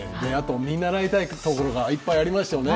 見習いたいところがいっぱいありますよね。